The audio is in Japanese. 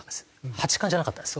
八冠じゃなかったんです。